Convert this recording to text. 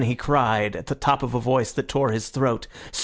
he cried, at the top of a voice that tore his throat.